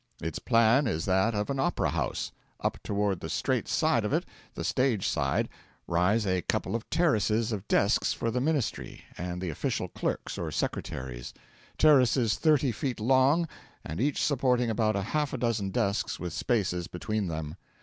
Its plan is that of an opera house. Up toward the straight side of it the stage side rise a couple of terraces of desks for the ministry, and the official clerks or secretaries terraces thirty feet long, and each supporting about half a dozen desks with spaces between them.